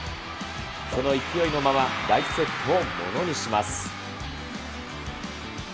その勢いのまま、第１セットをものにします。